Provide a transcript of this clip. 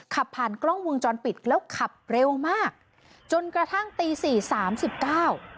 ขับผ่านกล้องวงจรปิดแล้วขับเร็วมากจนกระทั่งตีสี่สามสิบเก้า